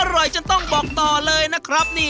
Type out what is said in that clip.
อร่อยจนต้องบอกต่อเลยนะครับ